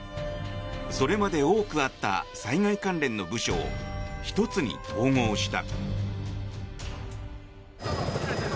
それまで多くあった災害関連の部署を１つに統合した。